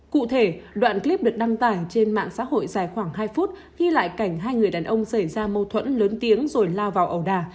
cụ thể đoạn clip được đăng tải trên mạng xã hội dài khoảng hai phút ghi lại cảnh hai người đàn ông xảy ra mâu thuẫn lớn tiếng rồi lao vào ẩu đà